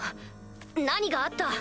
何があった？